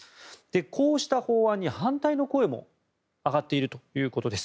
こうした法案に反対の声も上がっているということです。